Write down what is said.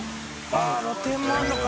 あっ露天もあるのか。